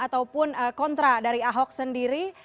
ataupun kontra dari ahok sendiri